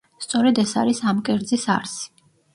სწორედ ეს არის ამ კერძის არსი.